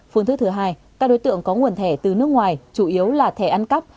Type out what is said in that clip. phương thức thứ hai các đối tượng có nguồn thẻ từ nước ngoài chủ yếu là thẻ ăn cắp